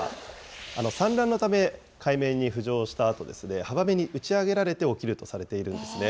産卵のため、海面に浮上したあと、浜辺に打ち上げられて起きるとされているんですね。